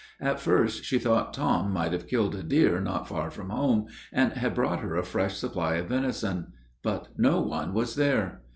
At first she thought Tom might have killed a deer not far from home, and had brought her a fresh supply of venison; but no one was there.